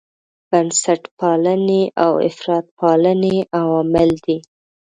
بنسټپالنې او افراطپالنې عوامل دي.